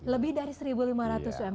lebih dari satu lima ratus umkm